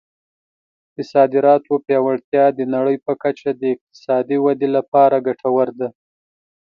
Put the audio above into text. د صادراتو پیاوړتیا د نړۍ په کچه د اقتصادي ودې لپاره ګټور دی.